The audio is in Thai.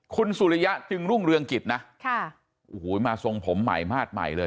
คุณสุริยะจึงรุ่งเรืองกิจนะค่ะโอ้โหมาทรงผมใหม่มาสใหม่เลย